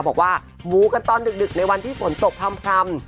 บอกว่ามูกันตอนดึกในวันที่ฝนตกพร่ำ